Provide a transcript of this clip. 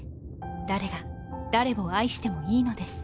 誰が誰を愛してもいいのです。